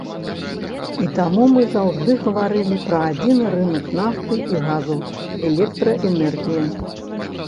І таму мы заўжды гаварылі пра адзіны рынак нафты і газу, электраэнергіі.